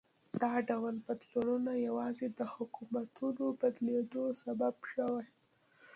دا ډول بدلونونه یوازې د حکومتونو بدلېدو سبب شوي.